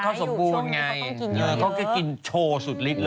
เพราะว่าคุณปัญญาก็มาคุยกับพี่ตุ๊กกี้ว่าเราอยากให้โอกาสลองเด็กใหม่มามีบทบาท